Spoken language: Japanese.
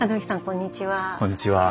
こんにちは。